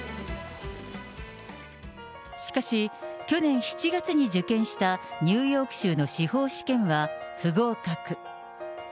しかし、去年７月に受験したニューヨーク州の司法試験は不合格。